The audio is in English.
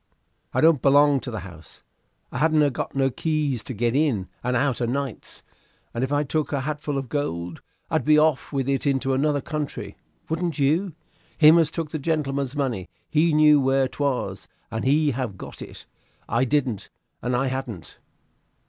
"I don't belong to the house. I haan't got no keys to go in and out o' nights. And if I took a hatful of gold, I'd be off with it into another country wouldn't you? Him as took the gentleman's money, he knew where 'twas, and he have got it: I didn't and I haan't."